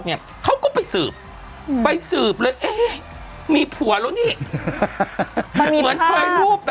เนี่ยเขาก็ไปสืบไปสืบเลยเอ๊ะมีผัวแล้วนี่เหมือนเคยรูป